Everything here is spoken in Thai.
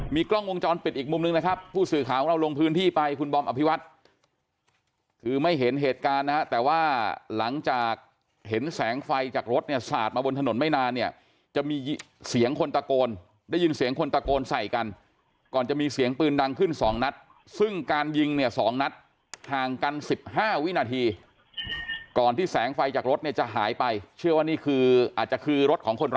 กล้องวงจรปิดอีกมุมนึงนะครับผู้สื่อข่าวของเราลงพื้นที่ไปคุณบอมอภิวัตรคือไม่เห็นเหตุการณ์นะฮะแต่ว่าหลังจากเห็นแสงไฟจากรถเนี่ยสาดมาบนถนนไม่นานเนี่ยจะมีเสียงคนตะโกนได้ยินเสียงคนตะโกนใส่กันก่อนจะมีเสียงปืนดังขึ้นสองนัดซึ่งการยิงเนี่ย๒นัดห่างกัน๑๕วินาทีก่อนที่แสงไฟจากรถเนี่ยจะหายไปเชื่อว่านี่คืออาจจะคือรถของคนร